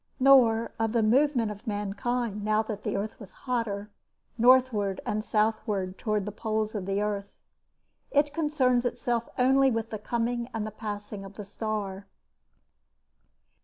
Nor of the movement of mankind now that the earth was hotter, northward and southward towards the poles of the earth. It concerns itself only with the coming and the passing of the Star.